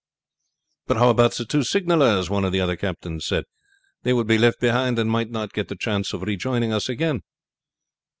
"But how about the two signallers?" one of the other captains said. "They would be left behind and might not get the chance of rejoining us again."